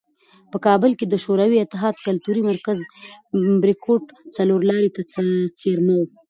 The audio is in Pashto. په کابل کې د شوروي اتحاد کلتوري مرکز "بریکوټ" څلورلارې ته څېرمه و.